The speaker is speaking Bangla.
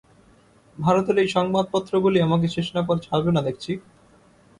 ভারতের এই সংবাদপত্রগুলি আমাকে শেষ না করে ছাড়বে না দেখছি।